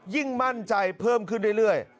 มั่นใจเพิ่มขึ้นเรื่อย